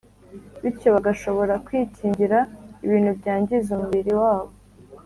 bityo bagashobora kwikingira ibintu byangiza umubiri wabo